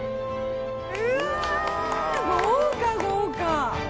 うわぁ豪華豪華！